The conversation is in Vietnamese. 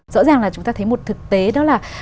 rõ ràng là chúng ta thấy một thực tế đó là